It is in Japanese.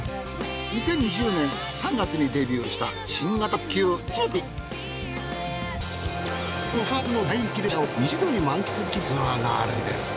２０２０年３月にデビューしたこの２つの大人気列車を一度に満喫できるツアーがあるんです。